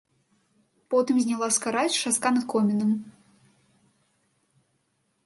Потым зняла скарач з шастка над комінам.